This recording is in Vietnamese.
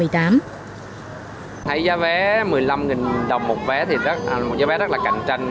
thấy giá vé một mươi năm đồng một vé thì giá vé rất là cạnh tranh